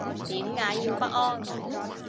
點解要不安